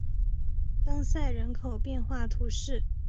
当塞人口变化图示